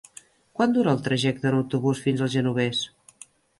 Quant dura el trajecte en autobús fins al Genovés?